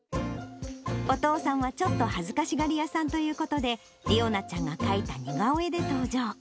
お父さんはちょっと恥ずかしがり屋さんということで、理央奈ちゃんが描いた似顔絵で登場。